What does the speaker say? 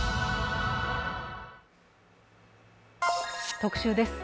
特集です。